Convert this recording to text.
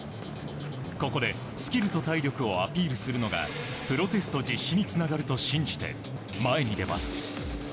ここで、スキルと体力をアピールするのがプロテスト実施につながると信じて前に出ます。